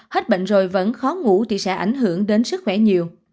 hết bệnh rồi vẫn khó ngủ thì sẽ ảnh hưởng đến sức khỏe nhiều